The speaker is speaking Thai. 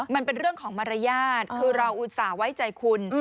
มันเป็นเรื่องของมารยาทคือเราอุตส่าห์ไว้ใจคุณ